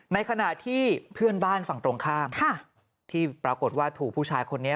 ในขณะที่เพื่อนบ้านฝั่งตรงข้ามที่ปรากฏว่าถูกผู้ชายคนนี้